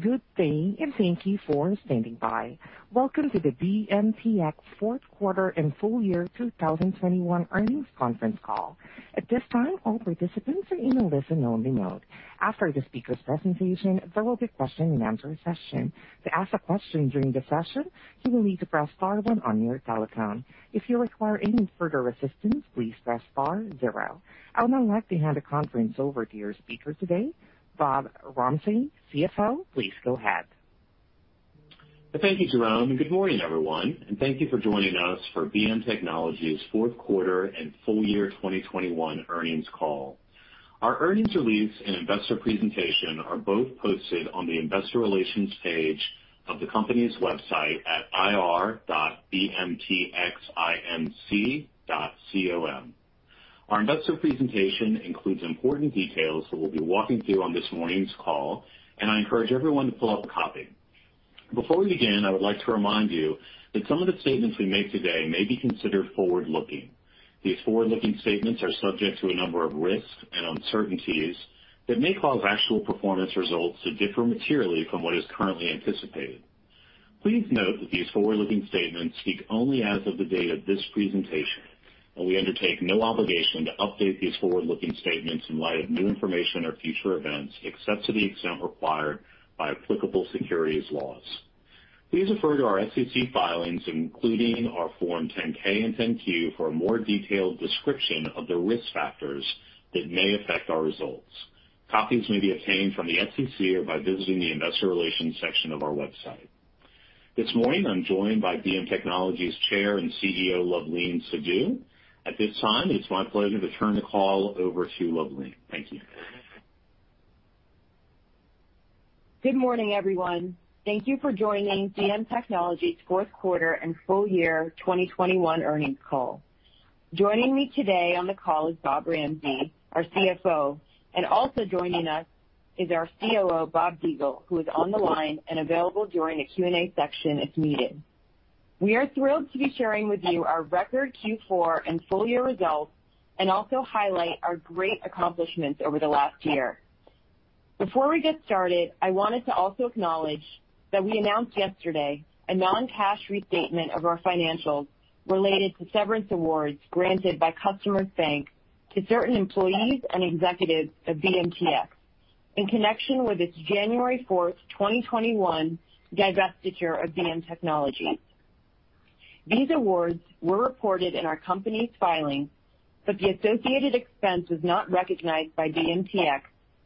Good day, and thank you for standing by. Welcome to the BMTX fourth quarter and full year 2021 earnings conference call. At this time, all participants are in a listen-only mode. After the speaker's presentation, there will be a question-and-answer session. To ask a question during the session, you will need to press star one on your telephone. If you require any further assistance, please press star zero. I would now like to hand the conference over to your speaker today, Bob Ramsey, CFO. Please go ahead. Thank you, Jerome, and good morning, everyone, and thank you for joining us for BM Technologies fourth quarter and full year 2021 earnings call. Our earnings release and investor presentation are both posted on the investor relations page of the company's website at ir.bmtxinc.com. Our investor presentation includes important details that we'll be walking through on this morning's call, and I encourage everyone to pull up a copy. Before we begin, I would like to remind you that some of the statements we make today may be considered forward-looking. These forward-looking statements are subject to a number of risks and uncertainties that may cause actual performance results to differ materially from what is currently anticipated. Please note that these forward-looking statements speak only as of the date of this presentation, and we undertake no obligation to update these forward-looking statements in light of new information or future events, except to the extent required by applicable securities laws. Please refer to our SEC filings, including our Form 10-K and 10-Q for a more detailed description of the risk factors that may affect our results. Copies may be obtained from the SEC or by visiting the investor relations section of our website. This morning, I'm joined by BM Technologies Chair and CEO, Luvleen Sidhu. At this time, it's my pleasure to turn the call over to Luvleen. Thank you. Good morning, everyone. Thank you for joining BM Technologies fourth quarter and full year 2021 earnings call. Joining me today on the call is Bob Ramsey, our CFO, and also joining us is our COO, Bob DiIulio, who is on the line and available during the Q&A section if needed. We are thrilled to be sharing with you our record Q4 and full year results and also highlight our great accomplishments over the last year. Before we get started, I wanted to also acknowledge that we announced yesterday a non-cash restatement of our financials related to severance awards granted by Customers Bank to certain employees and executives of BMTX in connection with its January 4th, 2021 divestiture of BM Technologies. These awards were reported in our company's filing, but the associated expense was not recognized by BMTX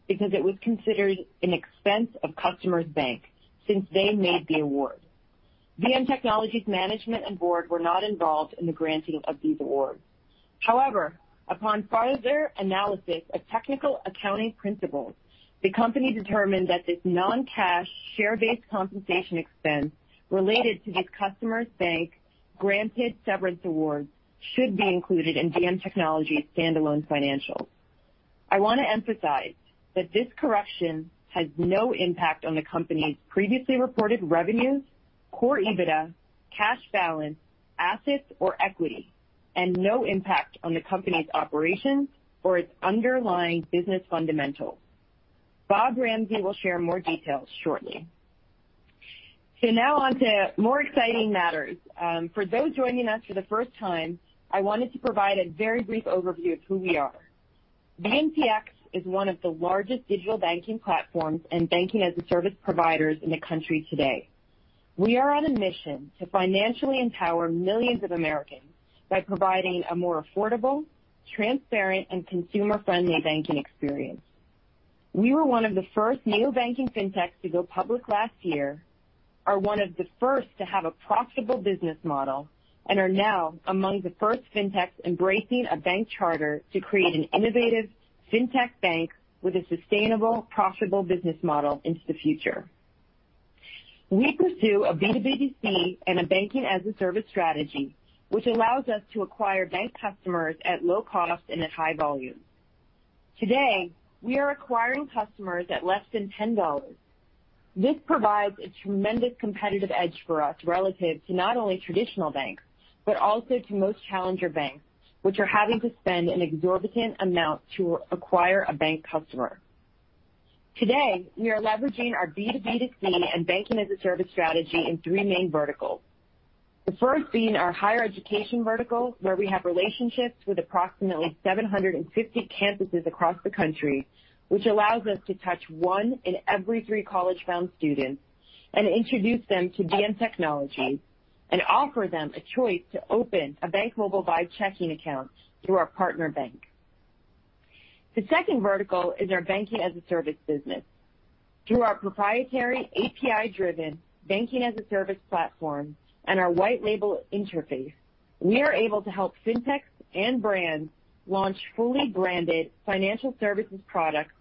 because it was considered an expense of Customers Bank since they made the award. BM Technologies management and board were not involved in the granting of these awards. However, upon further analysis of technical accounting principles, the company determined that this non-cash share-based compensation expense related to these Customers Bank granted severance awards should be included in BM Technologies standalone financials. I want to emphasize that this correction has no impact on the company's previously reported revenues, core EBITDA, cash balance, assets or equity, and no impact on the company's operations or its underlying business fundamentals. Bob Ramsey will share more details shortly. Now on to more exciting matters. For those joining us for the first time, I wanted to provide a very brief overview of who we are. BMTX is one of the largest digital banking platforms and banking-as-a-service providers in the country today. We are on a mission to financially empower millions of Americans by providing a more affordable, transparent and consumer friendly banking experience. We were one of the first neobanking fintechs to go public last year, are one of the first to have a profitable business model, and are now among the first fintechs embracing a bank charter to create an innovative fintech bank with a sustainable, profitable business model into the future. We pursue a B2B2C and a banking-as-a-service strategy, which allows us to acquire bank customers at low cost and at high volume. Today, we are acquiring customers at less than $10. This provides a tremendous competitive edge for us relative to not only traditional banks, but also to most challenger banks, which are having to spend an exorbitant amount to acquire a bank customer. Today, we are leveraging our B2B2C and Banking-as-a-Service strategy in three main verticals. The first being our higher education vertical, where we have relationships with approximately 750 campuses across the country, which allows us to touch one in every three college-bound students and introduce them to BM Technologies and offer them a choice to open a BankMobile Vibe checking account through our partner bank. The second vertical is our Banking-as-a-Service business. Through our proprietary API-driven banking-as-a-service platform and our white label interface, we are able to help fintechs and brands launch fully branded financial services products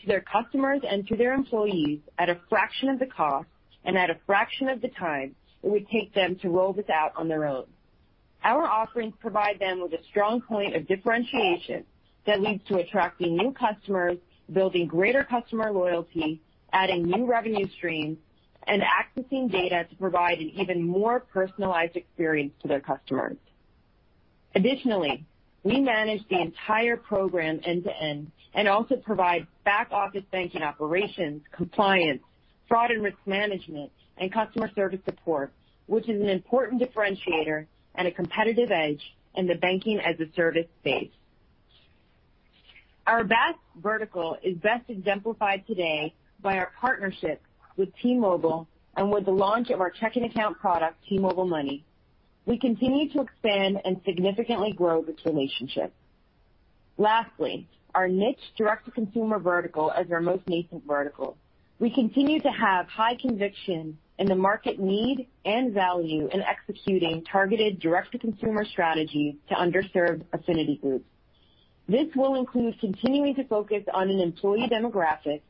to their customers and to their employees at a fraction of the cost and at a fraction of the time it would take them to roll this out on their own. Our offerings provide them with a strong point of differentiation that leads to attracting new customers, building greater customer loyalty, adding new revenue streams, and accessing data to provide an even more personalized experience to their customers. Additionally, we manage the entire program end-to-end and also provide back-office banking operations, compliance, fraud and risk management, and customer service support, which is an important differentiator and a competitive edge in the banking-as-a-service space. Our BaaS vertical is best exemplified today by our partnership with T-Mobile and with the launch of our checking account product, T-Mobile MONEY. We continue to expand and significantly grow this relationship. Lastly, our niche direct-to-consumer vertical as our most nascent vertical. We continue to have high conviction in the market need and value in executing targeted direct-to-consumer strategy to underserved affinity groups. This will include continuing to focus on an employee demographic,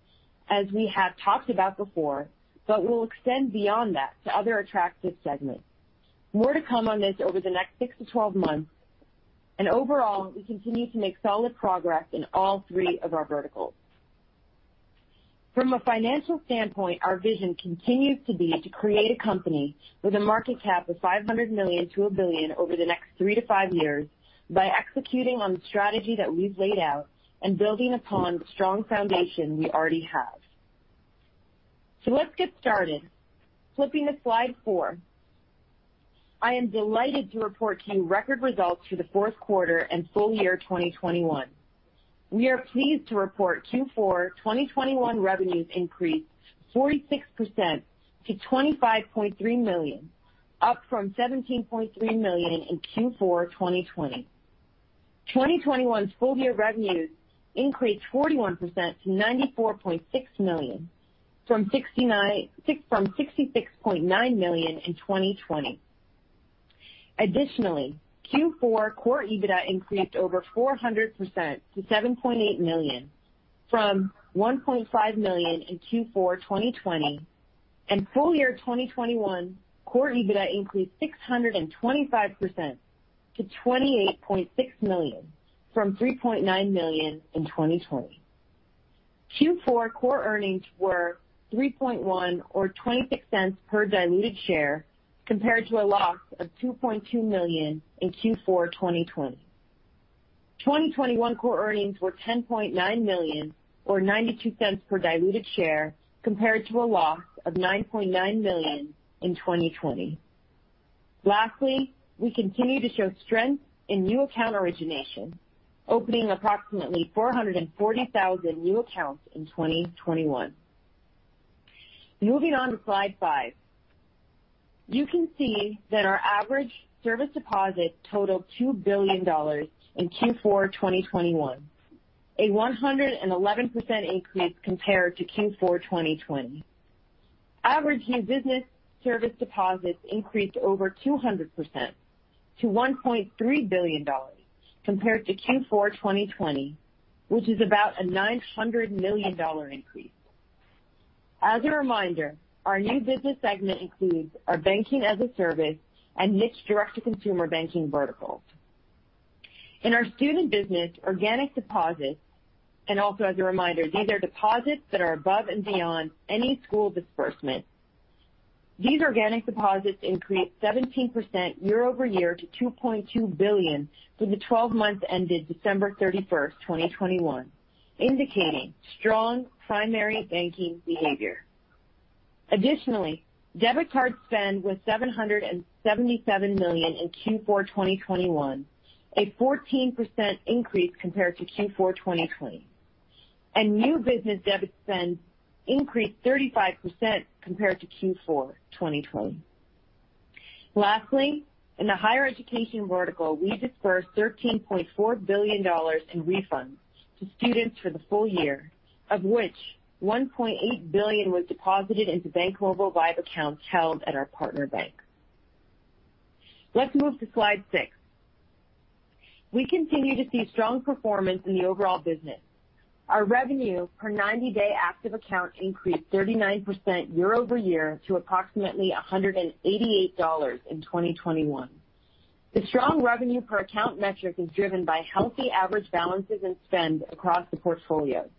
as we have talked about before, but will extend beyond that to other attractive segments. More to come on this over the next six to 12 months. Overall, we continue to make solid progress in all three of our verticals. From a financial standpoint, our vision continues to be to create a company with a market cap of $500 million-$1 billion over the next three-five years by executing on the strategy that we've laid out and building upon the strong foundation we already have. Let's get started. Flipping to slide four. I am delighted to report to you record results for the fourth quarter and full year 2021. We are pleased to report Q4 2021 revenues increased 46% to $25.3 million, up from $17.3 million in Q4 2020. 2021's full year revenues increased 41% to $94.6 million, from $66.9 million in 2020. Additionally, Q4 core EBITDA increased over 400% to $7.8 million, from $1.5 million in Q4 2020. 2021 full year core EBITDA increased 625% to $28.6 million from $3.9 million in 2020. Q4 core earnings were $3.1 or 26 cents per diluted share compared to a loss of $2.2 million in Q4 2020. 2021 core earnings were $10.9 million or $0.92 per diluted share compared to a loss of $9.9 million in 2020. We continue to show strength in new account origination, opening approximately 440,000 new accounts in 2021. Moving on to slide five. You can see that our average service deposit totaled $2 billion in Q4 2021, a 111% increase compared to Q4 2020. Average new business service deposits increased over 200% to $1.3 billion compared to Q4 2020, which is about a $900 million increase. As a reminder, our new business segment includes our Banking-as-a-Service and niche direct-to-consumer banking verticals. In our student business, organic deposits, and also as a reminder, these are deposits that are above and beyond any school disbursement. These organic deposits increased 17% year-over-year to $2.2 billion for the twelve months ended December 31st, 2021, indicating strong primary banking behavior. Additionally, debit card spend was $777 million in Q4 2021, a 14% increase compared to Q4 2020. New business debit spend increased 35% compared to Q4 2020. Lastly, in the higher education vertical, we disbursed $13.4 billion in refunds to students for the full year, of which $1.8 billion was deposited into BankMobile Vibe accounts held at our partner bank. Let's move to slide 6. We continue to see strong performance in the overall business. Our revenue per ninety-day active account increased 39% year-over-year to approximately $188 in 2021. The strong revenue per account metric is driven by healthy average balances and spend across the portfolio.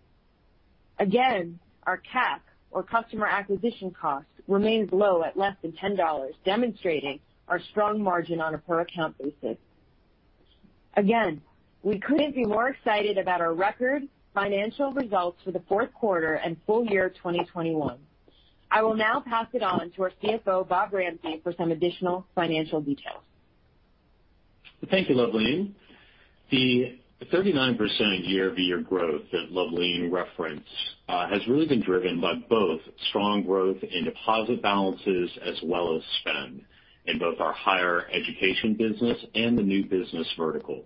Again, our CAC, or Customer Acquisition Cost, remains low at less than $10, demonstrating our strong margin on a per account basis. Again, we couldn't be more excited about our record financial results for the fourth quarter and full year 2021. I will now pass it on to our CFO, Bob Ramsey, for some additional financial details. Thank you, Luvleen. The 39% year-over-year growth that Luvleen referenced has really been driven by both strong growth in deposit balances as well as spend in both our higher education business and the new business vertical.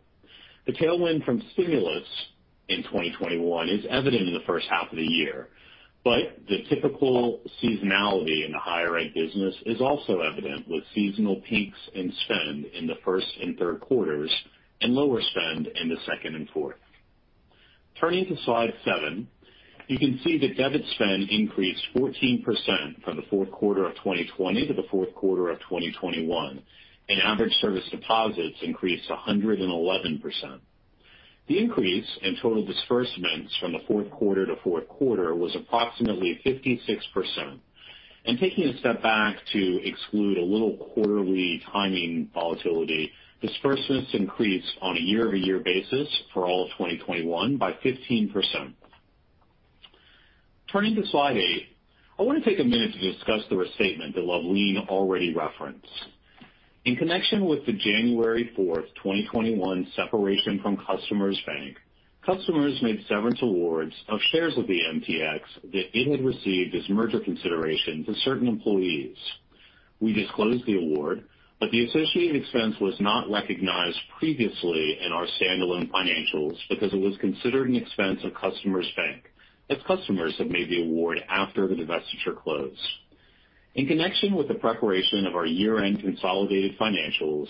The tailwind from stimulus in 2021 is evident in the first half of the year. The typical seasonality in the higher ed business is also evident, with seasonal peaks in spend in the first and third quarters and lower spend in the second and fourth. Turning to slide seven, you can see that debit spend increased 14% from the fourth quarter of 2020 to the fourth quarter of 2021, and average service deposits increased 111%. The increase in total disbursements from the fourth quarter to fourth quarter was approximately 56%. Taking a step back to exclude a little quarterly timing volatility, disbursements increased on a year-over-year basis for all of 2021 by 15%. Turning to slide eight, I want to take a minute to discuss the restatement that Luvleen already referenced. In connection with the January 4th, 2021 separation from Customers Bank, Customers made severance awards of shares of the BMTX that it had received as merger consideration to certain employees. We disclosed the award, but the associated expense was not recognized previously in our standalone financials because it was considered an expense of Customers Bank, as Customers had made the award after the divestiture closed. In connection with the preparation of our year-end consolidated financials,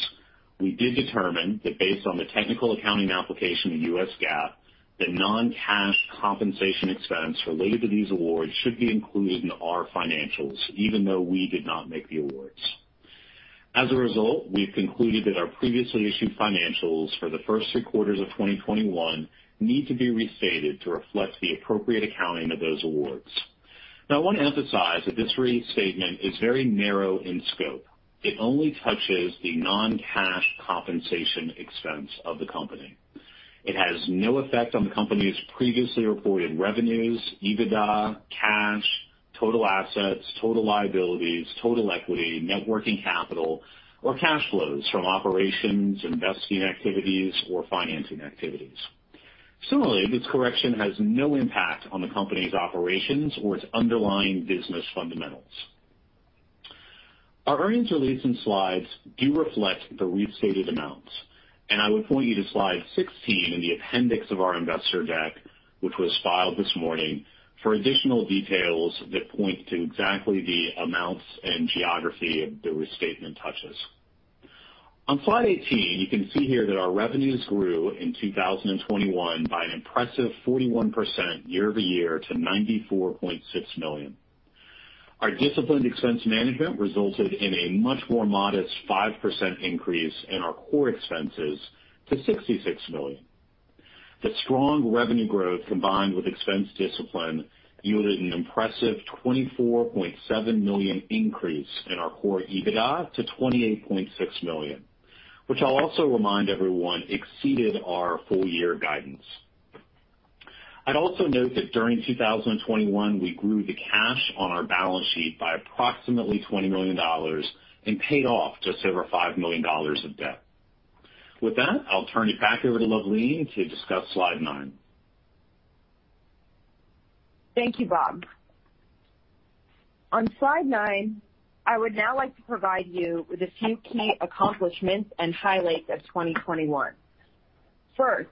we did determine that based on the technical accounting application of U.S. GAAP, the non-cash compensation expense related to these awards should be included in our financials, even though we did not make the awards. As a result, we've concluded that our previously issued financials for the first three quarters of 2021 need to be restated to reflect the appropriate accounting of those awards. Now, I want to emphasize that this restatement is very narrow in scope. It only touches the non-cash compensation expense of the company. It has no effect on the company's previously reported revenues, EBITDA, cash, total assets, total liabilities, total equity, net working capital, or cash flows from operations, investing activities or financing activities. Similarly, this correction has no impact on the company's operations or its underlying business fundamentals. Our earnings release and slides do reflect the restated amounts, and I would point you to slide 16 in the appendix of our investor deck, which was filed this morning for additional details that point to exactly the amounts and geography the restatement touches. On slide 18, you can see here that our revenues grew in 2021 by an impressive 41% year-over-year to $94.6 million. Our disciplined expense management resulted in a much more modest 5% increase in our core expenses to $66 million. The strong revenue growth, combined with expense discipline, yielded an impressive $24.7 million increase in our core EBITDA to $28.6 million, which I'll also remind everyone exceeded our full year guidance. I'd also note that during 2021, we grew the cash on our balance sheet by approximately $20 million and paid off just over $5 million of debt. With that, I'll turn it back over to Luvleen to discuss slide nine. Thank you, Bob. On slide nine, I would now like to provide you with a few key accomplishments and highlights of 2021. First,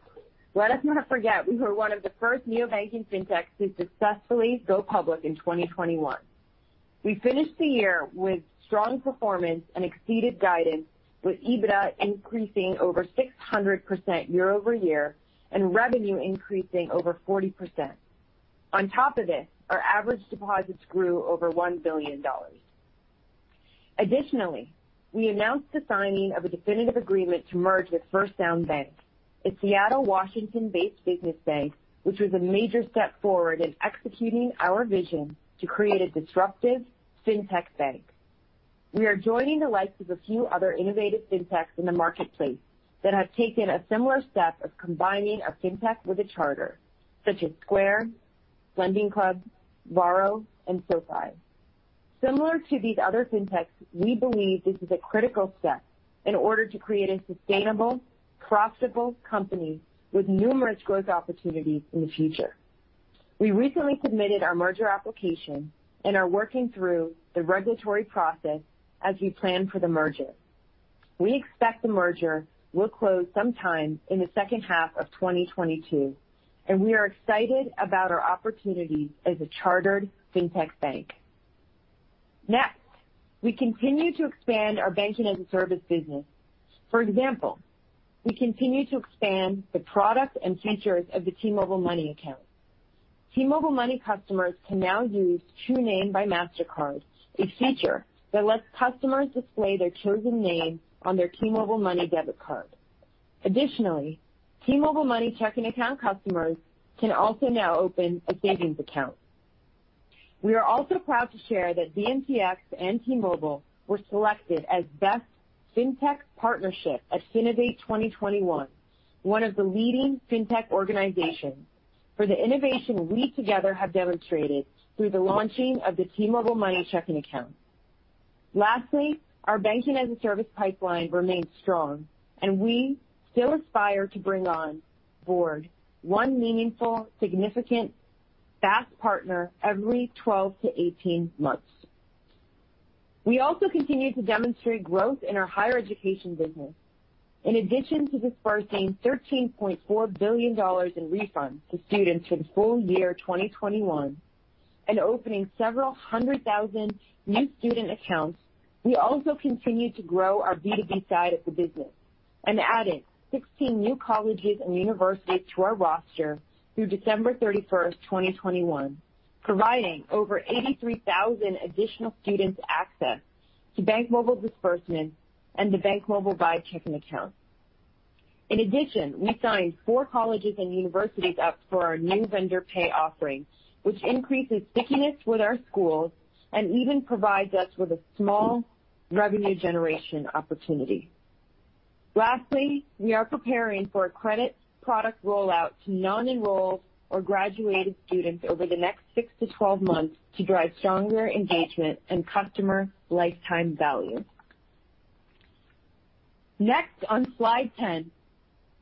let us not forget we were one of the first neobanking fintechs to successfully go public in 2021. We finished the year with strong performance and exceeded guidance, with EBITDA increasing over 600% year-over-year and revenue increasing over 40%. On top of this, our average deposits grew over $1 billion. Additionally, we announced the signing of a definitive agreement to merge with First Sound Bank, a Seattle, Washington-based business bank, which was a major step forward in executing our vision to create a disruptive fintech bank. We are joining the likes of a few other innovative fintechs in the marketplace that have taken a similar step of combining a fintech with a charter such as Square, LendingClub, Varo, and SoFi. Similar to these other fintechs, we believe this is a critical step in order to create a sustainable, profitable company with numerous growth opportunities in the future. We recently submitted our merger application and are working through the regulatory process as we plan for the merger. We expect the merger will close sometime in the second half of 2022, and we are excited about our oportunity as a chartered fintech bank. Next, we continue to expand our Banking-as-a-Service business. For example, we continue to expand the product and features of the T-Mobile MONEY account. T-Mobile MONEY customers can now use True Name by Mastercard, a feature that lets customers display their chosen name on their T-Mobile MONEY debit card. Additionally, T-Mobile MONEY checking account customers can also now open a savings account. We are also proud to share that BMTX and T-Mobile were selected as best fintech partnership at Finovate 2021, one of the leading fintech organizations, for the innovation we together have demonstrated through the launching of the T-Mobile MONEY checking account. Lastly, our Banking-as-a-Service pipeline remains strong and we still aspire to bring on board one meaningful, significant SaaS partner every 12 to 18 months. We also continue to demonstrate growth in our higher education business. In addition to disbursing $13.4 billion in refunds to students for the full year 2021 and opening several hundred thousand new student accounts, we also continued to grow our B2B side of the business and added 16 new colleges and universities to our roster through December 31st, 2021, providing over 83,000 additional students access to BankMobile disbursement and the BankMobile Vibe checking accounts. In addition, we signed four colleges and universities up for our new Vendor Pay offering, which increases stickiness with our schools and even provides us with a small revenue generation opportunity. Lastly, we are preparing for a credit product rollout to non-enrolled or graduated students over the next six-12 months to drive stronger engagement and customer lifetime value. Next on slide 10.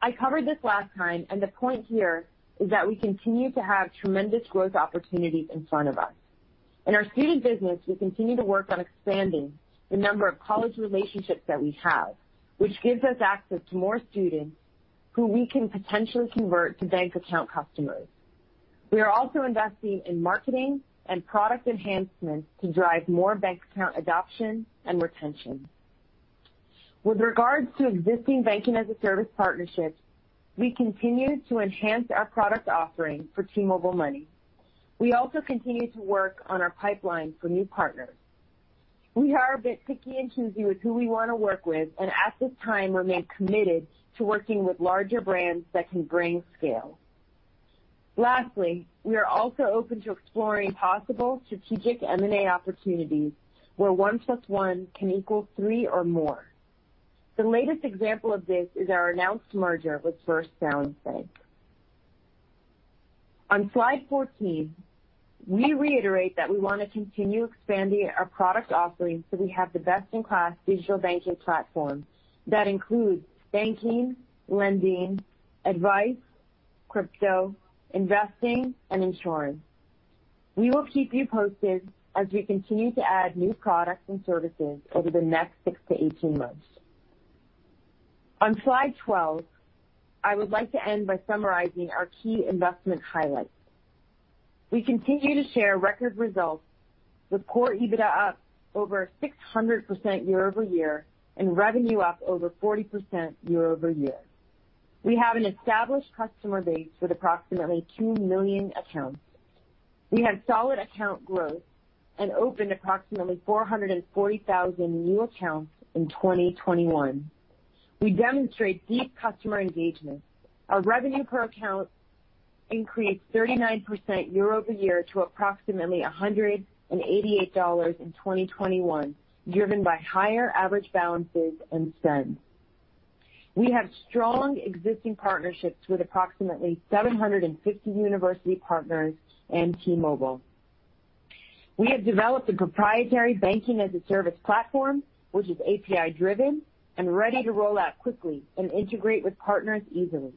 I covered this last time, and the point here is that we continue to have tremendous growth opportunities in front of us. In our student business, we continue to work on expanding the number of college relationships that we have, which gives us access to more students who we can potentially convert to bank account customers. We are also investing in marketing and product enhancements to drive more bank account adoption and retention. With regards to existing Banking-as-a-Service partnerships, we continue to enhance our product offering for T-Mobile MONEY. We also continue to work on our pipeline for new partners. We are a bit picky and choosy with who we want to work with and at this time remain committed to working with larger brands that can bring scale. Lastly, we are also open to exploring possible strategic M&A opportunities where one plus one can equal three or more. The latest example of this is our announced merger with First Sound Bank. On slide 14, we reiterate that we want to continue expanding our product offerings so we have the best-in-class digital banking platform that includes banking, lending, advice, crypto, investing, and insurance. We will keep you posted as we continue to add new products and services over the next six-18 months. On slide 12, I would like to end by summarizing our key investment highlights. We continue to share record results with core EBITDA up over 600% year over year and revenue up over 40% year over year. We have an established customer base with approximately 2 million accounts. We have solid account growth and opened approximately 440,000 new accounts in 2021. We demonstrate deep customer engagement. Our revenue per account increased 39% year over year to approximately $188 in 2021, driven by higher average balances and spends. We have strong existing partnerships with approximately 750 university partners and T-Mobile. We have developed a proprietary Banking-as-a-Service platform which is API-driven and ready to roll out quickly and integrate with partners easily.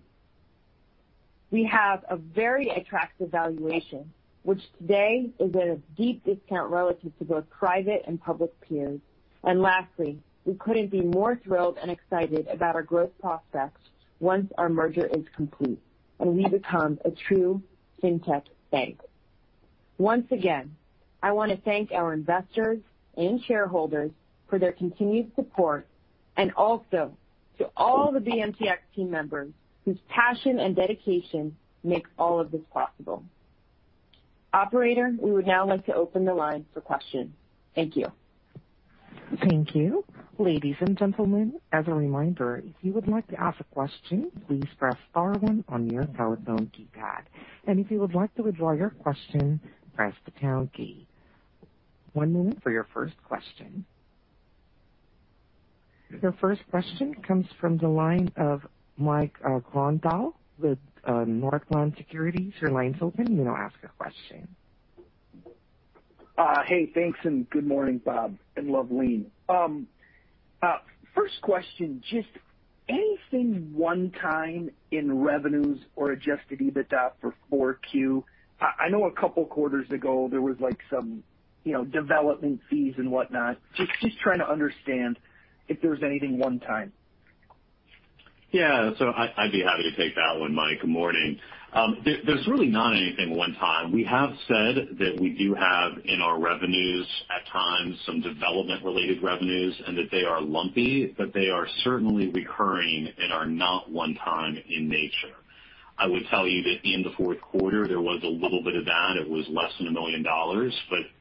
We have a very attractive valuation, which today is at a deep discount relative to both private and public peers. Lastly, we couldn't be more thrilled and excited about our growth prospects once our merger is complete and we become a true fintech bank. Once again, I want to thank our investors and shareholders for their continued support and also to all the entire team members whose passion and dedication makes all of this possible. Operator, we would now like to open the line for questions. Thank you. Thank you. Ladies and gentlemen, as a reminder, if you would like to ask a question, please press star one on your telephone keypad, and if you would like to withdraw your question, press the pound key. One moment for your first question. Your first question comes from the line of Mike Grondahl with Northland Securities. Your line is open. You may ask a question. Hey, thanks, and good morning, Bob and Luvleen. First question, just anything one-time in revenues or adjusted EBITDA for 4Q? I know a couple quarters ago there was like some, you know, development fees and whatnot. Just trying to understand if there's anything one-time. I'd be happy to take that one, Mike. Good morning. There's really not anything one-time. We have said that we do have, in our revenues at times, some development-related revenues and that they are lumpy, but they are certainly recurring and are not one-time in nature. I would tell you that in the fourth quarter, there was a little bit of that. It was less than $1 million,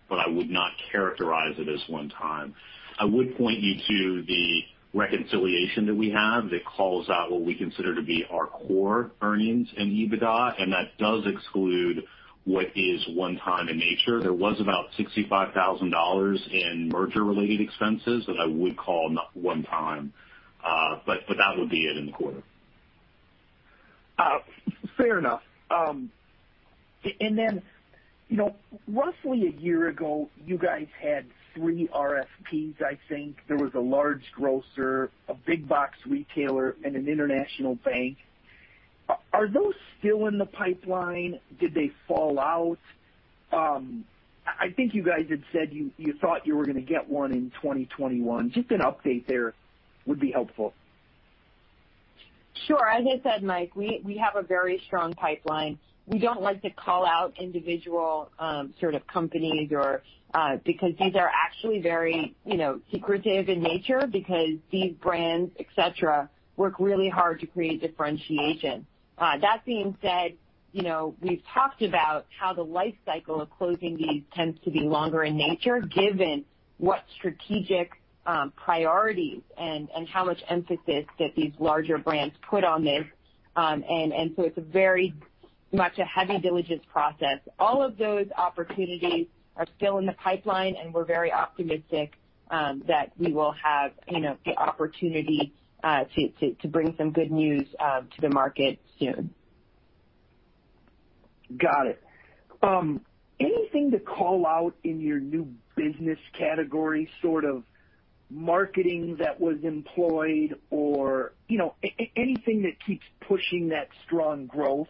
but I would not characterize it as one-time. I would point you to the reconciliation that we have that calls out what we consider to be our core EBITDA, and that does exclude what is one-time in nature. There was about $65,000 in merger-related expenses that I would call one-time, but that would be it in the quarter. Fair enough. Then, you know, roughly a year ago, you guys had three RFPs, I think. There was a large grocer, a big box retailer, and an international bank. Are those still in the pipeline? Did they fall out? I think you guys had said you thought you were going to get one in 2021. Just an update there would be helpful. Sure. As I said, Mike, we have a very strong pipeline. We don't like to call out individual sort of companies or because these are actually very you know secretive in nature because these brands et cetera work really hard to create differentiation. That being said, you know, we've talked about how the life cycle of closing these tends to be longer in nature, given what strategic priorities and how much emphasis that these larger brands put on this. So it's very much a heavy diligence process. All of those opportunities are still in the pipeline, and we're very optimistic that we will have you know the opportunity to bring some good news to the market soon. Got it. Anything to call out in your new business category, sort of marketing that was employed or, you know, anything that keeps pushing that strong growth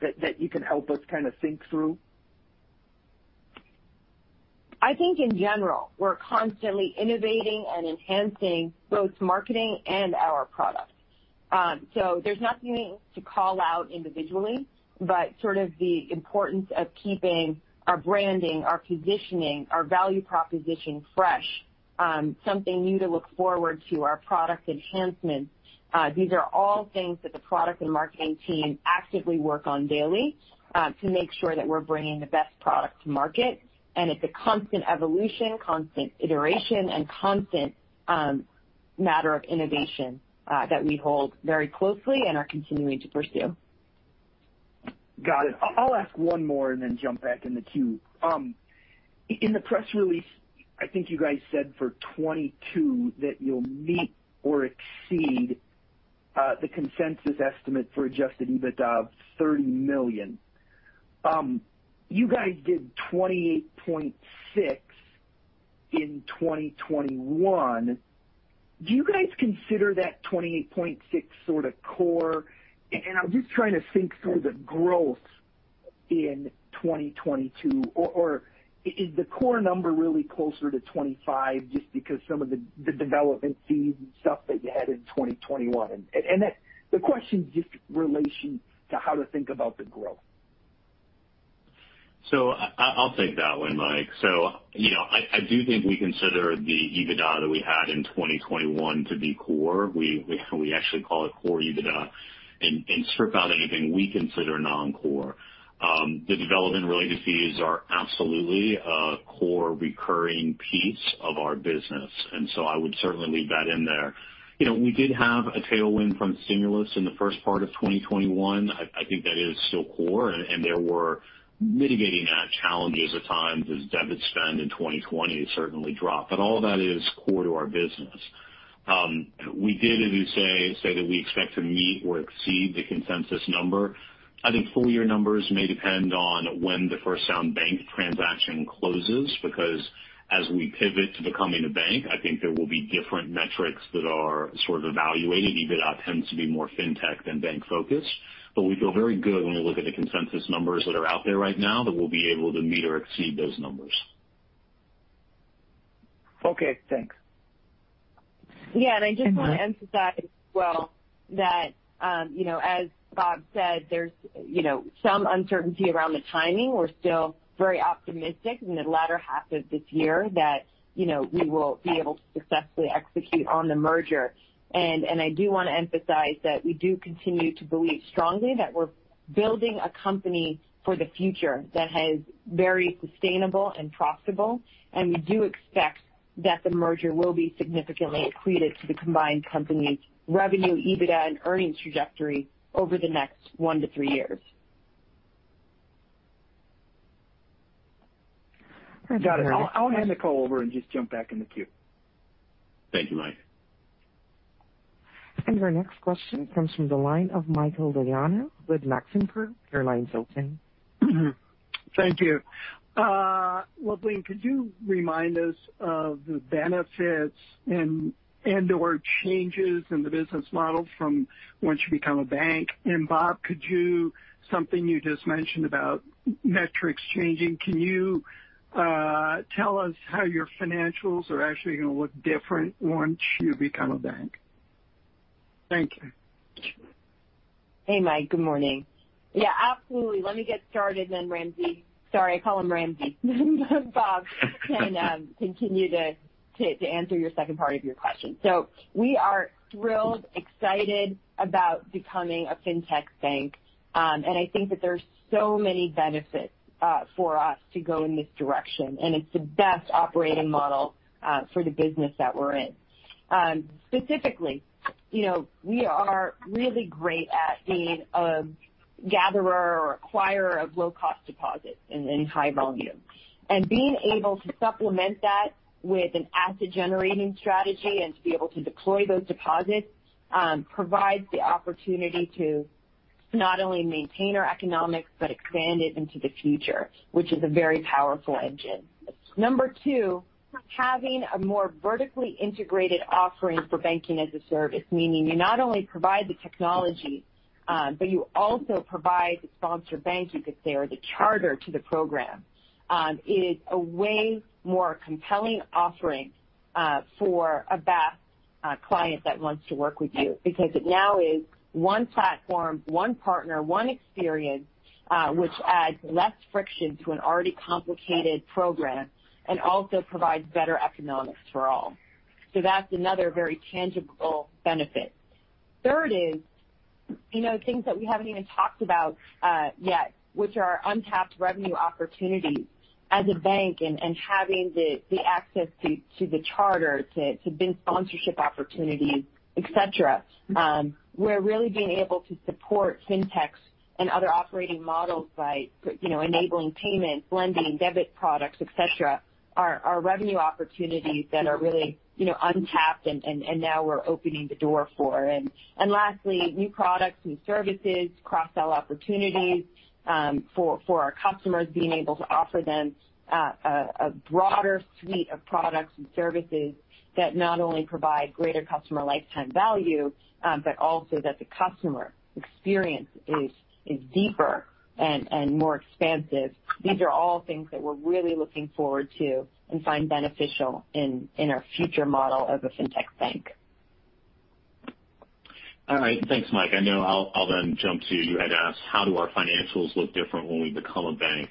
that you can help us kinda think through? I think in general, we're constantly innovating and enhancing both marketing and our products. There's nothing to call out individually, but sort of the importance of keeping our branding, our positioning, our value proposition fresh, something new to look forward to, our product enhancements. These are all things that the product and marketing team actively work on daily to make sure that we're bringing the best product to market. It's a constant evolution, constant iteration, and constant matter of innovation that we hold very closely and are continuing to pursue. Got it. I'll ask one more and then jump back in the queue. In the press release, I think you guys said for 2022 that you'll meet or exceed the consensus estimate for adjusted EBITDA of $30 million. You guys did 28.6 in 2021. Do you guys consider that 28.6 sorta core? And I'm just trying to think through the growth in 2022. Or is the core number really closer to 25 just because some of the development fees and stuff that you had in 2021? And the question is just relation to how to think about the growth. I'll take that one, Mike. You know, I do think we consider the EBITDA that we had in 2021 to be core. We actually call it core EBITDA and strip out anything we consider non-core. The development-related fees are absolutely a core recurring piece of our business, and I would certainly leave that in there. You know, we did have a tailwind from stimulus in the first part of 2021. I think that is still core, and there were mitigating that challenge at times as debit spend in 2020 certainly dropped. But all that is core to our business. We did say, as you say, that we expect to meet or exceed the consensus number. I think full year numbers may depend on when the First Sound Bank transaction closes, because as we pivot to becoming a bank, I think there will be different metrics that are sort of evaluated. EBITDA tends to be more fintech than bank focused. We feel very good when we look at the consensus numbers that are out there right now that we'll be able to meet or exceed those numbers. Okay, thanks. Yeah. And, uh- I just want to emphasize as well that you know, as Bob said, there's you know some uncertainty around the timing. We're still very optimistic in the latter half of this year that you know we will be able to successfully execute on the merger. I do want to emphasize that we do continue to believe strongly that we're building a company for the future that is very sustainable and profitable. We do expect that the merger will be significantly accretive to the combined company's revenue, EBITDA, and earnings trajectory over the next one-three years. Got it. I'll hand the call over and just jump back in the queue. Thank you, Mike. Our next question comes from the line of Michael Diana with Maxim Group. Your line's open. Thank you. Well, Luvleen, could you remind us of the benefits and/or changes in the business model from once you become a bank? Bob, something you just mentioned about metrics changing, can you tell us how your financials are actually gonna look different once you become a bank? Thank you. Hey, Mike. Good morning. Yeah, absolutely. Let me get started, then Ramsey. Sorry, I call him Ramsey. Bob can continue to answer your second part of your question. We are thrilled, excited about becoming a fintech bank. I think that there's so many benefits for us to go in this direction, and it's the best operating model for the business that we're in. Specifically, you know, we are really great at being a gatherer or acquirer of low-cost deposits in high volume. Being able to supplement that with an asset-generating strategy and to be able to deploy those deposits provides the opportunity to not only maintain our economics but expand it into the future, which is a very powerful engine. Number two, having a more vertically integrated offering for banking as a service, meaning you not only provide the technology, but you also provide the sponsor bank, you could say, or the charter to the program, is a way more compelling offering for a BaaS client that wants to work with you because it now is one platform, one partner, one experience, which adds less friction to an already complicated program and also provides better economics for all. So that's another very tangible benefit. Third is, you know, things that we haven't even talked about yet, which are untapped revenue opportunities as a bank and having the access to the charter to big sponsorship opportunities, et cetera. We're really being able to support fintechs and other operating models by, you know, enabling payments, lending, debit products, et cetera are revenue opportunities that are really, you know, untapped and now we're opening the door for. Lastly, new products, new services, cross-sell opportunities for our customers, being able to offer them a broader suite of products and services that not only provide greater customer lifetime value, but also that the customer experience is deeper and more expansive. These are all things that we're really looking forward to and find beneficial in our future model of a fintech bank. All right. Thanks, Mike. I know I'll then jump to you had asked how do our financials look different when we become a bank.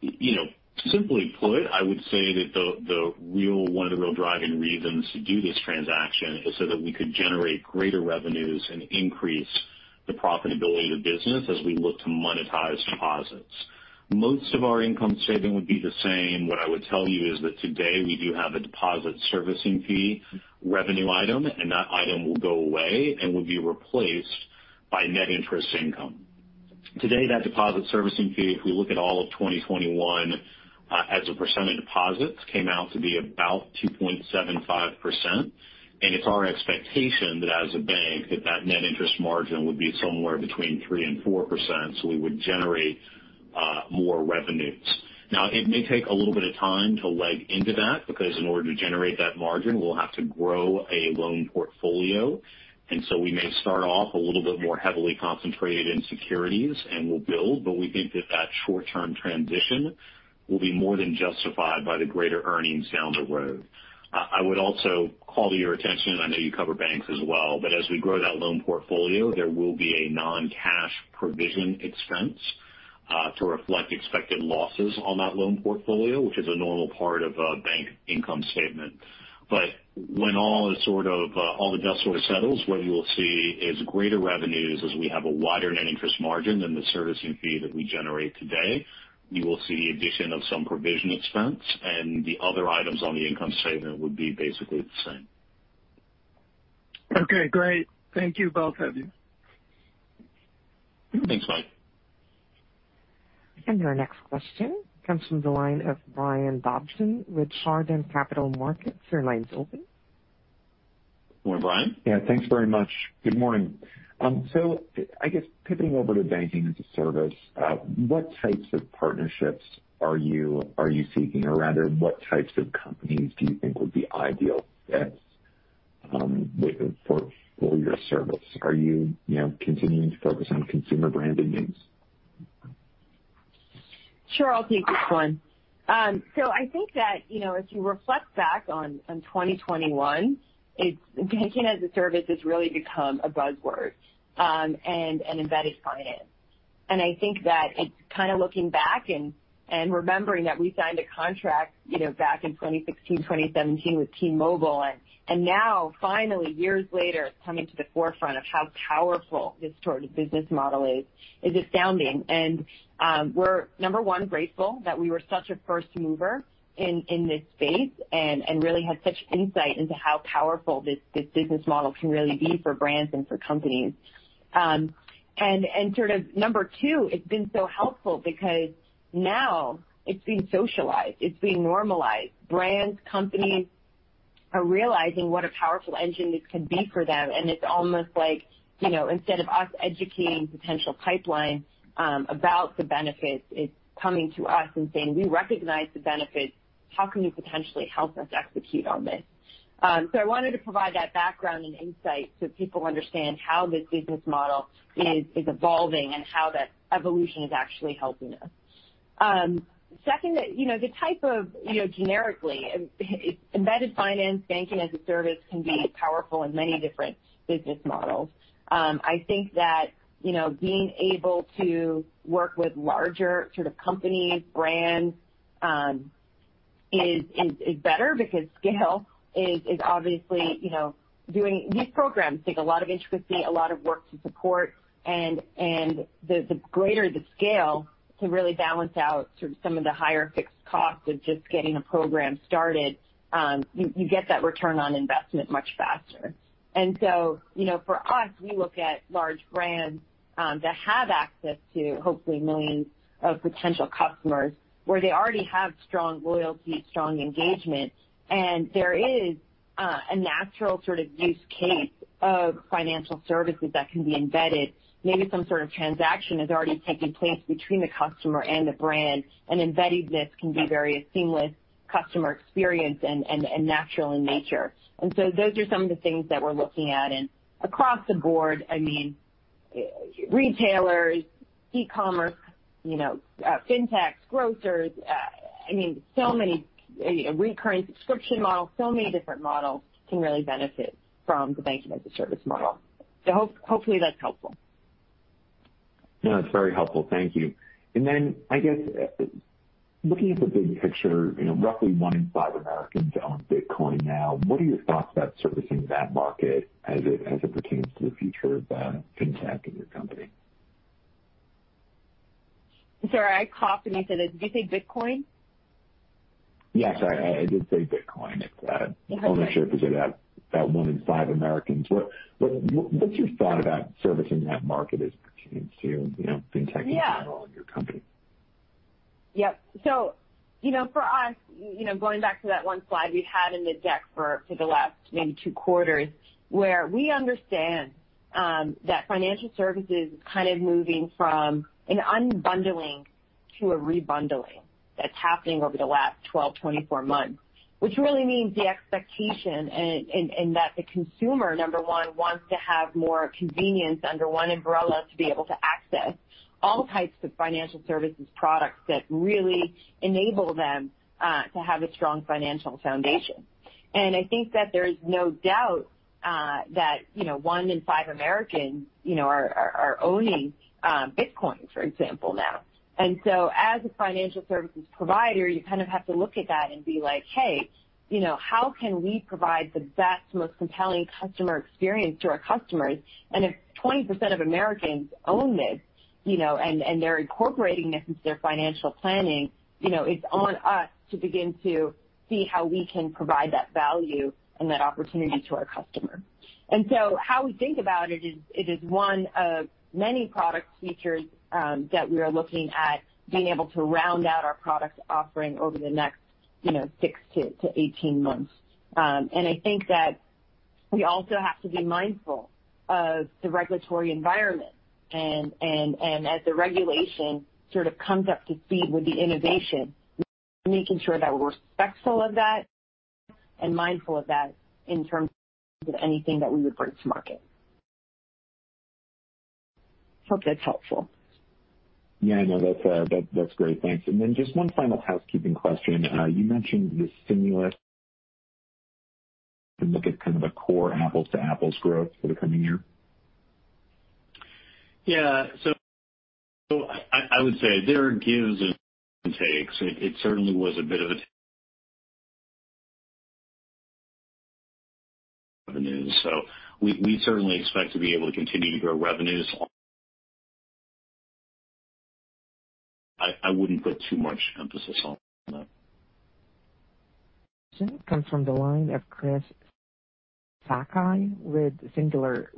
You know, simply put, I would say that the real one of the real driving reasons to do this transaction is so that we could generate greater revenues and increase the profitability of the business as we look to monetize deposits. Most of our income statement would be the same. What I would tell you is that today we do have a deposit servicing fee revenue item, and that item will go away and will be replaced by net interest income. Today, that deposit servicing fee, if we look at all of 2021, as a % of deposits, came out to be about 2.75%. It's our expectation that as a bank that net interest margin would be somewhere between 3% and 4%, so we would generate more revenues. Now, it may take a little bit of time to leg into that because in order to generate that margin, we'll have to grow a loan portfolio. We may start off a little bit more heavily concentrated in securities, and we'll build. We think that short-term transition will be more than justified by the greater earnings down the road. I would also call to your attention, and I know you cover banks as well, but as we grow that loan portfolio, there will be a non-cash provision expense to reflect expected losses on that loan portfolio, which is a normal part of a bank income statement. When all the dust sort of settles, what you will see is greater revenues as we have a wider net interest margin than the servicing fee that we generate today. You will see the addition of some provision expense, and the other items on the income statement would be basically the same. Okay, great. Thank you, both of you. Thanks, Mike. Our next question comes from the line of Brian Dobson with Chardan Capital Markets. Your line's open. Good morning, Brian. Yeah. Thanks very much. Good morning. I guess pivoting over to banking as a service, what types of partnerships are you seeking? Or rather, what types of companies do you think would be ideal fits for your service? Are you know, continuing to focus on consumer-branded names? Sure. I'll take this one. So I think that, you know, as you reflect back on 2021, it's Banking as a Service has really become a buzzword, and an embedded finance. I think that it's kinda looking back and remembering that we signed a contract, you know, back in 2016, 2017 with T-Mobile. Now finally, years later, coming to the forefront of how powerful this sort of business model is astounding. We're number one, grateful that we were such a first mover in this space and really had such insight into how powerful this business model can really be for brands and for companies. And sort of number two, it's been so helpful because now it's being socialized, it's being normalized. Brands, companies are realizing what a powerful engine this can be for them, and it's almost like, you know, instead of us educating potential pipelines about the benefits, it's coming to us and saying, "We recognize the benefits. How can you potentially help us execute on this?" I wanted to provide that background and insight so people understand how this business model is evolving and how that evolution is actually helping us. Second, you know, the type of, you know, generically, embedded finance, banking as a service can be powerful in many different business models. I think that, you know, being able to work with larger sort of companies, brands, is better because scale is obviously, you know, doing these programs take a lot of intricacy, a lot of work to support. The greater the scale to really balance out sort of some of the higher fixed costs of just getting a program started, you get that return on investment much faster. You know, for us, we look at large brands that have access to hopefully millions of potential customers where they already have strong loyalty, strong engagement, and there is a natural sort of use case of financial services that can be embedded. Maybe some sort of transaction is already taking place between the customer and the brand, and embeddedness can be very a seamless customer experience and natural in nature. Those are some of the things that we're looking at. Across the board, I mean, retailers, e-commerce, you know, fintechs, grocers, I mean, so many. A recurring subscription model, so many different models can really benefit from the banking-as-a-service model. Hopefully, that's helpful. No, it's very helpful. Thank you. I guess, looking at the big picture, you know, roughly one in five Americans own Bitcoin now. What are your thoughts about servicing that market as it pertains to the future of fintech in your company? Sorry, I coughed and you said that. Did you say Bitcoin? Yes, I did say Bitcoin. It's Okay. Ownership is at one in five Americans. What's your thought about servicing that market as it pertains to, you know, fintech-overall in your company? Yep. You know, for us, you know, going back to that one slide we've had in the deck for the last maybe two quarters, where we understand that financial services is kind of moving from an unbundling to a rebundling that's happening over the last 12, 24 months. Which really means the expectation and that the consumer, number one, wants to have more convenience under one umbrella to be able to access all types of financial services products that really enable them to have a strong financial foundation. I think that there is no doubt that, you know, one in five Americans, you know, are owning Bitcoin, for example, now. As a financial services provider, you kind of have to look at that and be like, "Hey, you know, how can we provide the best, most compelling customer experience to our customers?" If 20% of Americans own this, you know, and they're incorporating this into their financial planning, you know, it's on us to begin to see how we can provide that value and that opportunity to our customer. How we think about it is, it is one of many product features that we are looking at being able to round out our product offering over the next, you know, six to 18 months. I think that we also have to be mindful of the regulatory environment and as the regulation sort of comes up to speed with the innovation, making sure that we're respectful of that and mindful of that in terms of anything that we would bring to market. Hope that's helpful. Yeah, no, that's great. Thanks. Just one final housekeeping question. You mentioned the stimulus and look at kind of the core apples to apples growth for the coming year. Yeah. I would say there are gives and takes. We certainly expect to be able to continue to grow revenues. I wouldn't put too much emphasis on that. Next comes from the line of Chris Sakai with Singular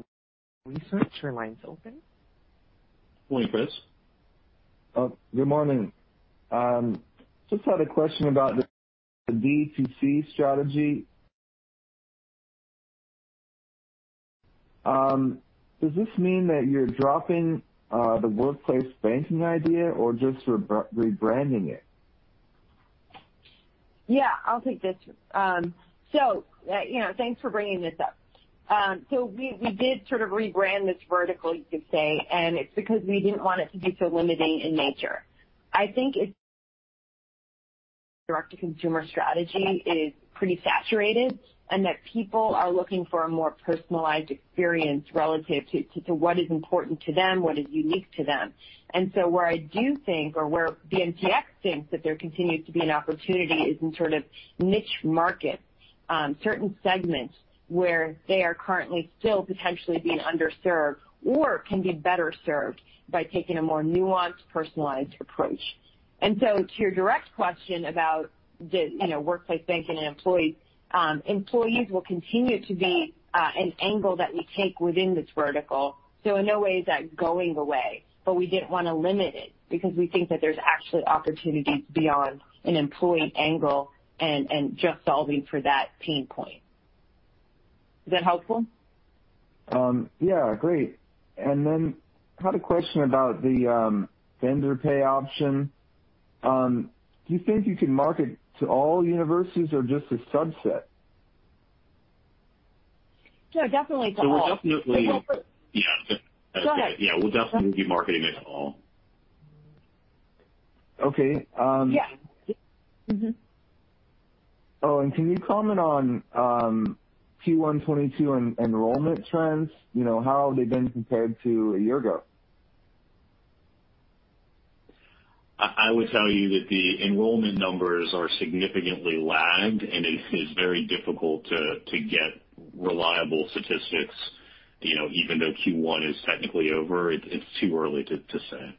Research. Your line's open. Morning, Chris. Good morning. Just had a question about the B2C strategy. Does this mean that you're dropping the workplace banking idea or just rebranding it? Yeah, I'll take this. You know, thanks for bringing this up. We did sort of rebrand this vertical, you could say, and it's because we didn't want it to be so limiting in nature. I think it's direct to consumer strategy is pretty saturated, and that people are looking for a more personalized experience relative to what is important to them, what is unique to them. Where I do think or where BMTX thinks that there continues to be an opportunity is in sort of niche markets, certain segments where they are currently still potentially being underserved or can be better served by taking a more nuanced, personalized approach. To your direct question about the, you know, workplace banking and employees will continue to be an angle that we take within this vertical. Its no way is that going away, but we didn't want to limit it because we think that there's actually opportunities beyond an employee angle and just solving for that pain point. Is that helpful? Yeah, great. Had a question about the Vendor Pay option. Do you think you can market to all universities or just a subset? No, definitely to all. We're definitely. Go ahead. Yeah. Go ahead. Yeah, we'll definitely be marketing this to all. Okay. Yeah. Mm-hmm. Oh, can you comment on Q1 2022 enrollment trends? You know, how have they been compared to a year ago? I would tell you that the enrollment numbers are significantly lagged, and it is very difficult to get reliable statistics. You know, even though Q1 is technically over, it's too early to say.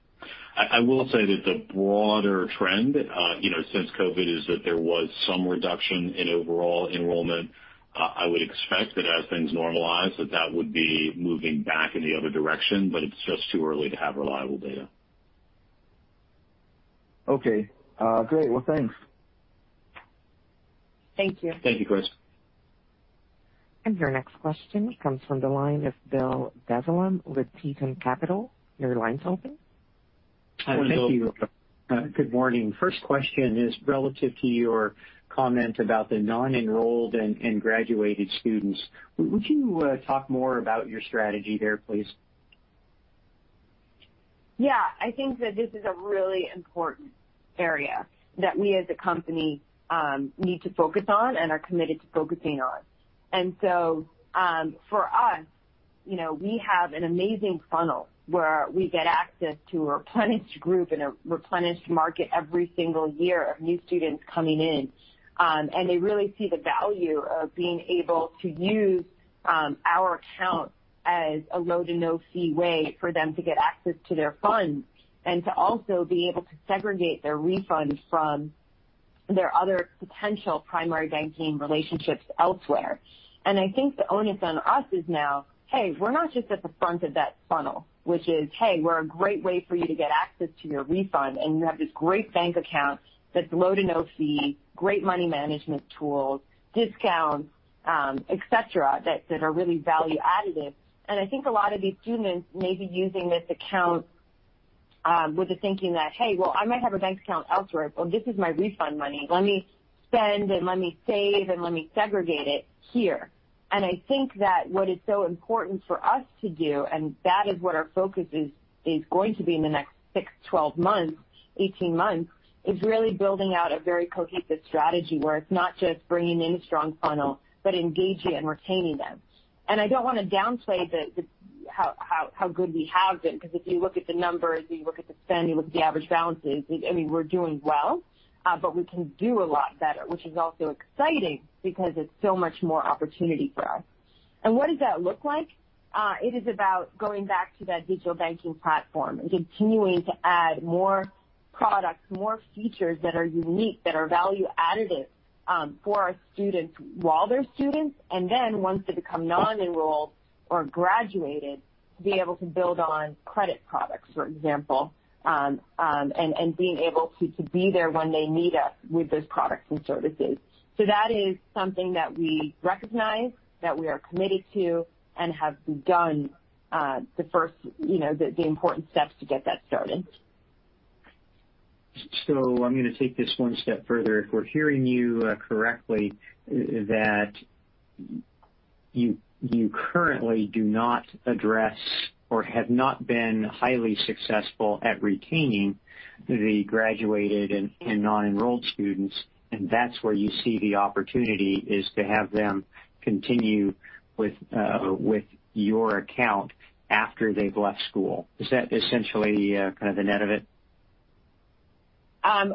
I will say that the broader trend, you know, since COVID, is that there was some reduction in overall enrollment. I would expect that as things normalize that would be moving back in the other direction, but it's just too early to have reliable data. Okay. Great. Well, thanks. Thank you. Thank you, Chris. Your next question comes from the line of Bill Dezellem with Tieton Capital. Your line's open. Hi, Bill. Thank you. Good morning. First question is relative to your comment about the non-enrolled and graduated students. Would you talk more about your strategy there, please? Yeah. I think that this is a really important area that we as a company need to focus on and are committed to focusing on. For us, you know, we have an amazing funnel where we get access to a replenished group and a replenished market every single year of new students coming in. They really see the value of being able to use our account as a low to no fee way for them to get access to their funds and to also be able to segregate their refunds from their other potential primary banking relationships elsewhere. I think the onus on us is now, hey, we're not just at the front of that funnel, which is, hey, we're a great way for you to get access to your refund, and you have this great bank account that's low to no fee, great money management tools, discounts, et cetera, that are really value additive. I think a lot of these students may be using this account, with the thinking that, "Hey, well, I might have a bank account elsewhere. Well, this is my refund money. Let me spend and let me save and let me segregate it here." I think that what is so important for us to do, and that is what our focus is going to be in the next sic, 12 months, 18 months, is really building out a very cohesive strategy where it's not just bringing in a strong funnel, but engaging and retaining them. I don't want to downplay the how good we have been, because if you look at the numbers, you look at the spend, you look at the average balances, I mean, we're doing well, but we can do a lot better, which is also exciting because it's so much more opportunity for us. What does that look like? It is about going back to that digital banking platform and continuing to add more products, more features that are unique, that are value additive, for our students while they're students, and then once they become non-enrolled or graduated, be able to build on credit products, for example, and being able to be there when they need us with those products and services. That is something that we recognize, that we are committed to and have begun the important steps to get that started. I'm going to take this one step further. If we're hearing you correctly that you currently do not address or have not been highly successful at retaining the graduated and non-enrolled students, and that's where you see the opportunity, is to have them continue with your account after they've left school. Is that essentially kind of the net of it?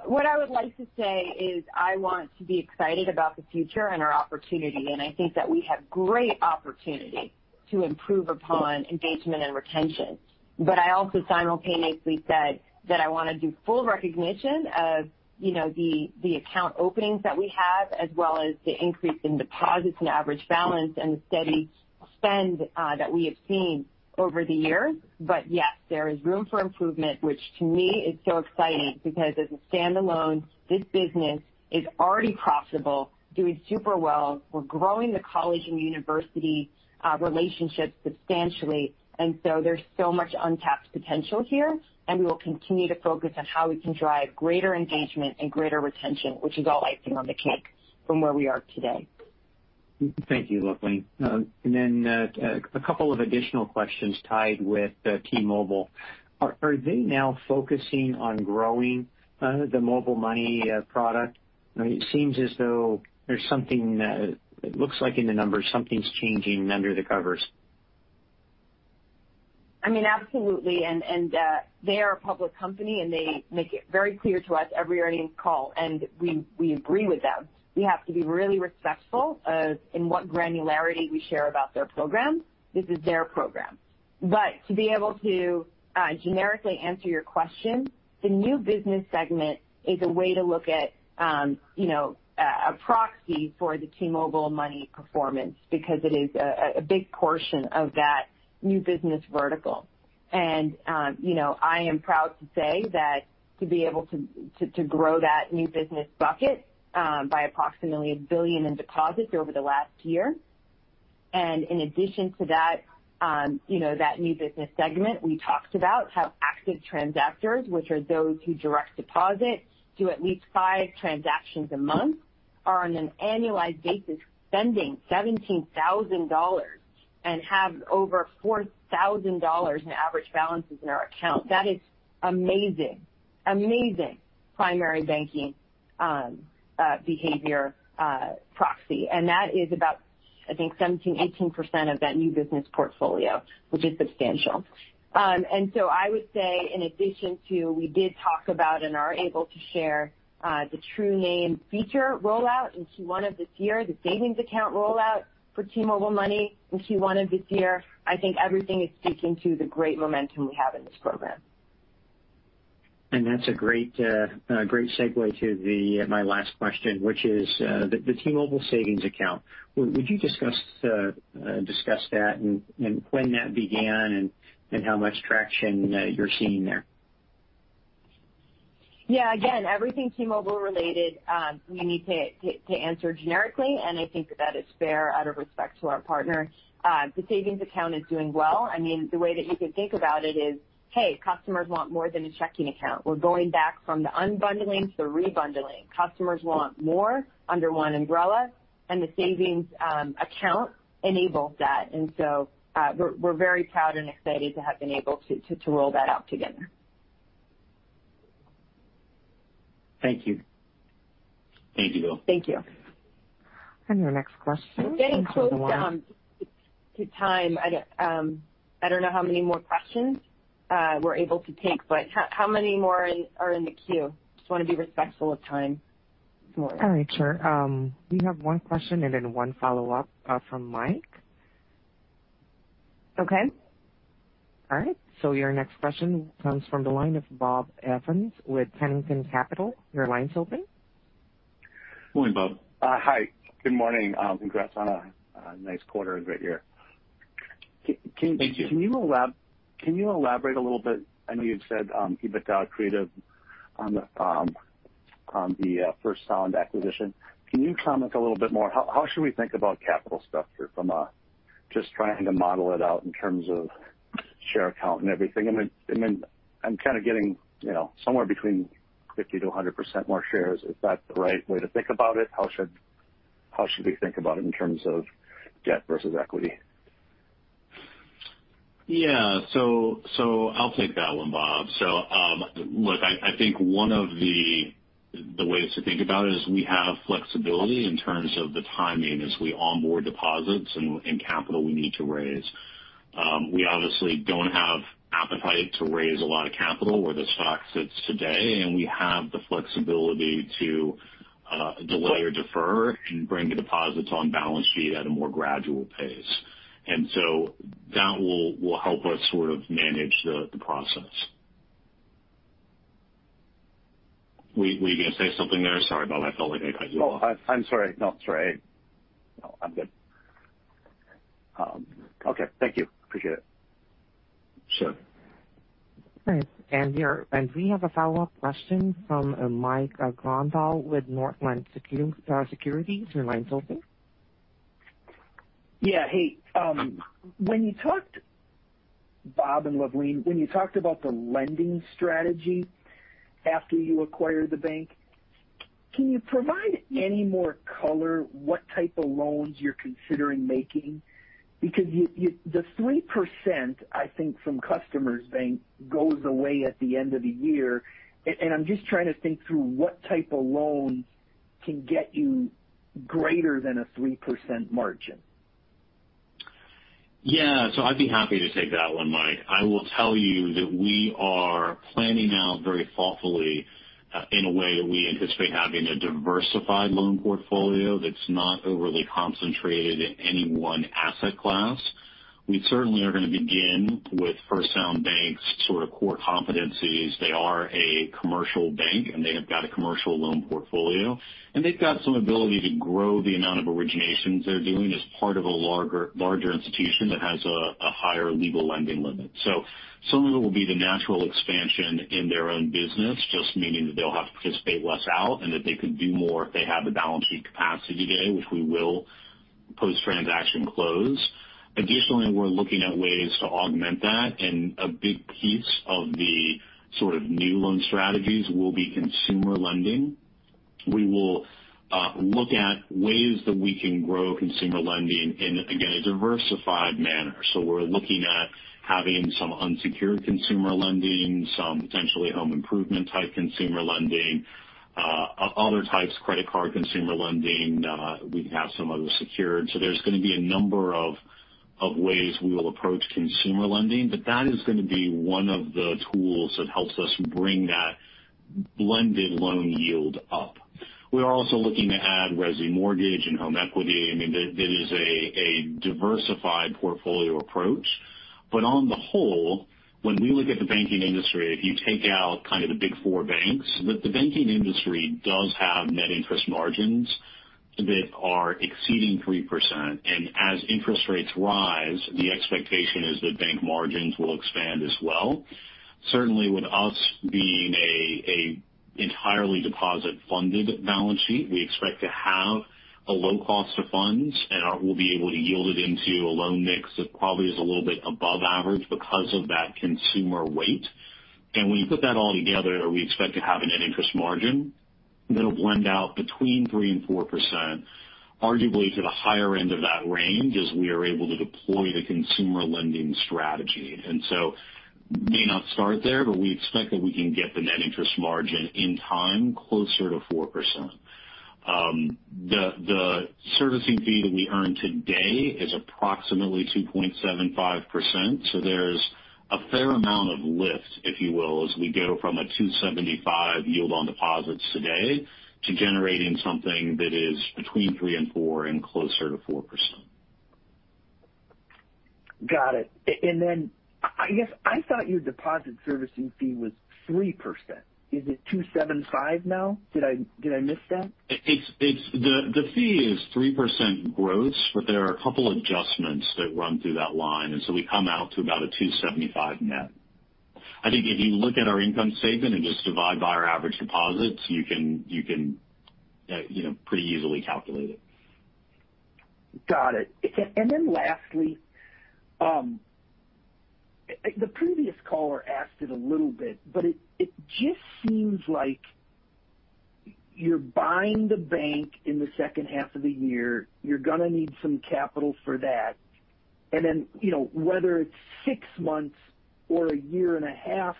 What I would like to say is I want to be excited about the future and our opportunity, and I think that we have great opportunity to improve upon engagement and retention. I also simultaneously said that I want to do full recognition of, you know, the account openings that we have, as well as the increase in deposits and average balance and the steady spend that we have seen over the years. Yes, there is room for improvement, which to me is so exciting because as a standalone, this business is already profitable, doing super well. We're growing the college and university relationships substantially. There's so much untapped potential here, and we will continue to focus on how we can drive greater engagement and greater retention, which is all icing on the cake from where we are today. Thank you, Luvleen. A couple of additional questions tied with T-Mobile. Are they now focusing on growing the mobile money product? It seems as though there's something, it looks like in the numbers something's changing under the covers. I mean, absolutely. They are a public company, and they make it very clear to us every earnings call, and we agree with them. We have to be really respectful of in what granularity we share about their program. This is their program. To be able to generically answer your question, the new business segment is a way to look at, you know, a proxy for the T-Mobile MONEY performance because it is a big portion of that new business vertical. You know, I am proud to say that to be able to grow that new business bucket by approximately $1 billion in deposits over the last year. In addition to that, you know, that new business segment we talked about, how active transactors, which are those who direct deposit, do at least five transactions a month, are on an annualized basis, spending $17,000 and have over $4,000 in average balances in our account. That is amazing. Amazing primary banking behavior proxy. That is about, I think, 17%-18% of that new business portfolio, which is substantial. I would say in addition to we did talk about and are able to share, the True Name feature rollout in Q1 of this year, the savings account rollout for T-Mobile MONEY in Q1 of this year. I think everything is speaking to the great momentum we have in this program. That's a great segue to my last question, which is the T-Mobile savings account. Would you discuss that and when that began and how much traction you're seeing there? Yeah. Again, everything T-Mobile related, we need to answer generically, and I think that is fair out of respect to our partner. The savings account is doing well. I mean, the way that you could think about it is, hey, customers want more than a checking account. We're going back from the unbundling to the rebundling. Customers want more under one umbrella, and the savings account enables that. We're very proud and excited to have been able to roll that out together. Thank you. Thank you. Thank you. Your next question. We're getting close to time. I don't know how many more questions we're able to take, but how many more are in the queue? Just wanna be respectful of time. All right. Sure. We have one question and then one follow-up from Mike. Okay. All right. Your next question comes from the line of Bob Evans with Pennington Capital. Your line's open. Good morning, Bob. Hi. Good morning. Congrats on a nice quarter and great year. Thank you. Can you elaborate a little bit? I know you've said EBITDA accretive on the First Sound acquisition. Can you comment a little bit more? How should we think about capital structure just trying to model it out in terms of share count and everything. I mean, I'm kind of getting, you know, somewhere between 50%-100% more shares. Is that the right way to think about it? How should we think about it in terms of debt versus equity? Yeah. I'll take that one, Bob. Look, I think one of the ways to think about it is we have flexibility in terms of the timing as we onboard deposits and capital we need to raise. We obviously don't have appetite to raise a lot of capital where the stock sits today, and we have the flexibility to delay or defer and bring the deposits on balance sheet at a more gradual pace. That will help us sort of manage the process. Were you gonna say something there? Sorry about that. I felt like I talked- Oh, I'm sorry. No, it's all right. No, I'm good. Okay. Thank you. Appreciate it. Sure. All right. We have a follow-up question from Mike Grondahl with Northland Securities. Your line's open. Yeah. Hey, Bob and Luvleen, when you talked about the lending strategy after you acquired the bank, can you provide any more color what type of loans you're considering making? Because the 3%, I think, from Customers Bank goes away at the end of the year. And I'm just trying to think through what type of loans can get you greater than a 3% margin. Yeah. I'd be happy to take that one, Mike. I will tell you that we are planning out very thoughtfully in a way that we anticipate having a diversified loan portfolio that's not overly concentrated in any one asset class. We certainly are gonna begin with First Sound Bank's sort of core competencies. They are a commercial bank, and they have got a commercial loan portfolio, and they've got some ability to grow the amount of originations they're doing as part of a larger institution that has a higher legal lending limit. Some of it will be the natural expansion in their own business, just meaning that they'll have to participate less out and that they could do more if they have the balance sheet capacity today, which we will post-transaction close. Additionally, we're looking at ways to augment that, and a big piece of the sort of new loan strategies will be consumer lending. We will look at ways that we can grow consumer lending in, again, a diversified manner. We're looking at having some unsecured consumer lending, some potentially home improvement type consumer lending, other types, credit card consumer lending. We have some other secured. There's gonna be a number of ways we will approach consumer lending, but that is gonna be one of the tools that helps us bring that blended loan yield up. We are also looking to add resi mortgage and home equity. I mean, it is a diversified portfolio approach. On the whole, when we look at the banking industry, if you take out kind of the big four banks, the banking industry does have net interest margins that are exceeding 3%. As interest rates rise, the expectation is that bank margins will expand as well. Certainly with us being an entirely deposit-funded balance sheet, we expect to have a low cost of funds, and we'll be able to yield it into a loan mix that probably is a little bit above average because of that consumer weight. When you put that all together, we expect to have a net interest margin that'll blend out between 3%-4%, arguably to the higher end of that range as we are able to deploy the consumer lending strategy. We may not start there, but we expect that we can get the net interest margin in time closer to 4%. The servicing fee that we earn today is approximately 2.75%. There's a fair amount of lift, if you will, as we go from a 2.75 yield on deposits today to generating something that is between 3% and 4% and closer to 4%. Got it. I guess I thought your deposit servicing fee was 3%. Is it 2.75% now? Did I miss that? The fee is 3% gross, but there are a couple adjustments that run through that line, and so we come out to about a 2.75% net. I think if you look at our income statement and just divide by our average deposits, you can, you know, pretty easily calculate it. Got it. Lastly, the previous caller asked it a little bit, but it just seems like you're buying the bank in the second half of the year. You're gonna need some capital for that. You know, whether it's six months or a 2.5 year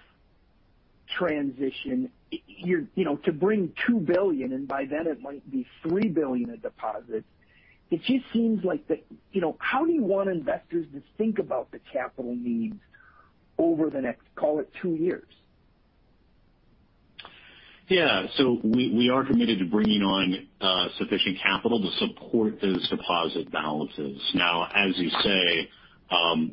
Transition, you know, to bring $2 billion and by then it might be $3 billion of deposits, it just seems like. You know, how do you want investors to think about the capital needs over the next, call it two years? Yeah. We are committed to bringing on sufficient capital to support those deposit balances. Now, as you say,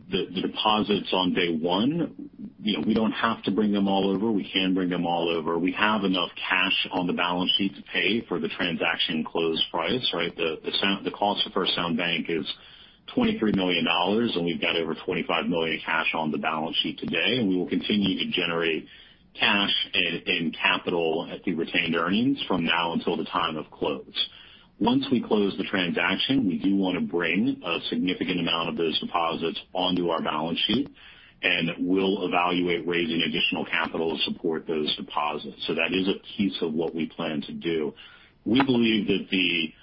the deposits on day one, you know, we don't have to bring them all over. We can bring them all over. We have enough cash on the balance sheet to pay for the transaction close price, right? The cost for First Sound Bank is $23 million, and we've got over $25 million in cash on the balance sheet today. We will continue to generate cash and capital at the retained earnings from now until the time of close. Once we close the transaction, we do wanna bring a significant amount of those deposits onto our balance sheet, and we'll evaluate raising additional capital to support those deposits. That is a piece of what we plan to do. We believe that the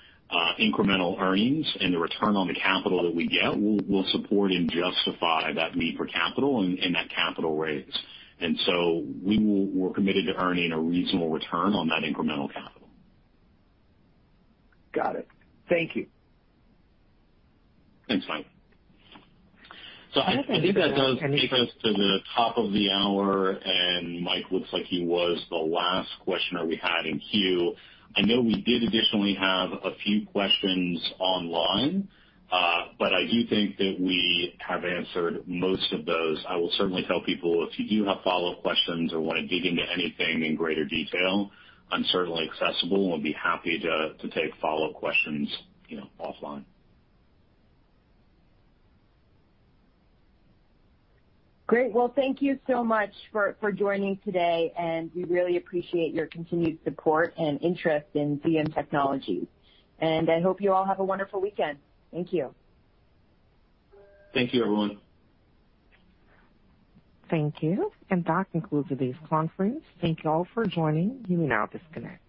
incremental earnings and the return on the capital that we get will support and justify that need for capital and that capital raise. We're committed to earning a reasonable return on that incremental capital. Got it. Thank you. Thanks, Mike. I think that does take us to the top of the hour, and Mike looks like he was the last questioner we had in queue. I know we did additionally have a few questions online, but I do think that we have answered most of those. I will certainly tell people if you do have follow-up questions or wanna dig into anything in greater detail. I'm certainly accessible and would be happy to take follow-up questions, you know, offline. Great. Well, thank you so much for joining today, and we really appreciate your continued support and interest in BM Technologies. I hope you all have a wonderful weekend. Thank you. Thank you, everyone. Thank you. That concludes today's conference. Thank you all for joining. You may now disconnect.